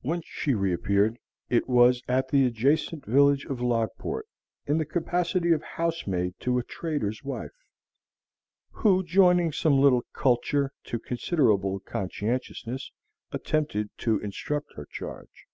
When she reappeared, it was at the adjacent village of Logport, in the capacity of housemaid to a trader's wife, who, joining some little culture to considerable conscientiousness, attempted to instruct her charge.